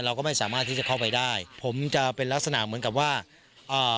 เราก็ไม่สามารถที่จะเข้าไปได้ผมจะเป็นลักษณะเหมือนกับว่าอ่า